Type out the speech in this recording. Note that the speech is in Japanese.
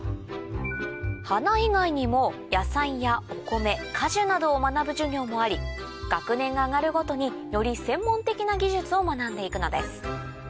花以外にも野菜やお米果樹などを学ぶ授業もあり学年が上がるごとにより専門的な技術を学んでいくのです